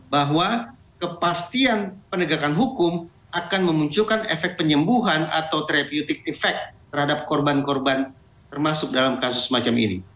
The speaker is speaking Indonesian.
bahwa kepastian penegakan hukum akan memunculkan efek penyembuhan atau trepeutic effect terhadap korban korban termasuk dalam kasus semacam ini